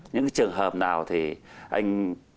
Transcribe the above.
những trường hợp nào thì anh